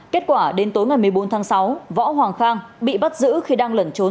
kết quả đến tối ngày một mươi bốn tháng sáu võ hoàng khang bị bắt giữ khi đang lẩn trốn